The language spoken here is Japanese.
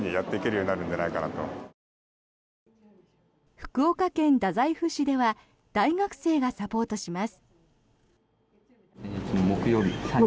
福岡県太宰府市では大学生がサポートします。